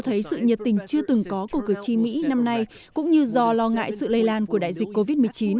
các nhà tỉnh chưa từng có của cử tri mỹ năm nay cũng như do lo ngại sự lây lan của đại dịch covid một mươi chín